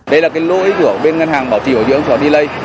đây là cái lỗi của bên ngân hàng bảo trì hội dưỡng cho delay